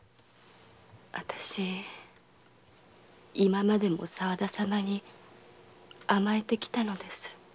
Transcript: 私今までも沢田様に甘えてきたのです。